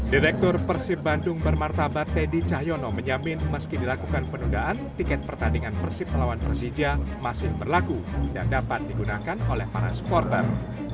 direktur persib bandung bermartabat teddy cahyono menyamin meski dilakukan penundaan tiket pertandingan persib melawan persija masih berlaku dan dapat digunakan oleh para supporter